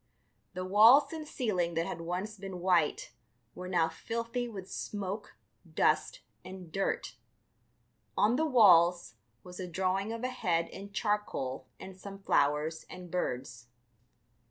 The walls and ceiling that had once been white were now filthy with smoke, dust, and dirt. On the walls was a drawing of a head in charcoal and some flowers and birds.